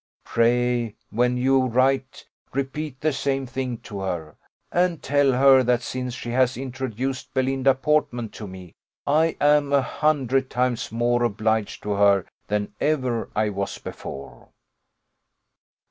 Pray, when you write, repeat the same thing to her, and tell her that since she has introduced Belinda Portman to me, I am a hundred times more obliged to her than ever I was before.